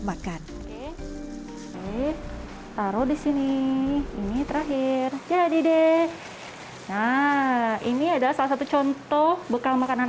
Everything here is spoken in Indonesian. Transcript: makan oke taruh di sini ini terakhir jadi deh nah ini adalah salah satu contoh bekal makanan